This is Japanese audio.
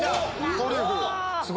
トリュフ！